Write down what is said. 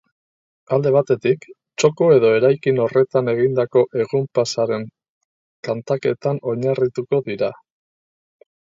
Alde batetik, txoko edo eraikin horretan egindako egun-pasaren kontaketan oinarrituko dira.